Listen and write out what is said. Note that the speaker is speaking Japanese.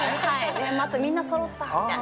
年末、みんなそろったみたいな。